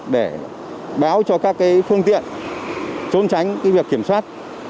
để báo cho các phương tiện trốn tránh việc kiểm soát